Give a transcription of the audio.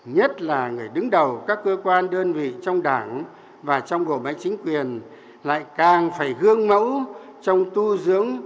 nhất là người đứng đầu các cơ quan đơn vị trong đảng và trong bộ máy chính quyền lại càng phải gương mẫu trong tu dưỡng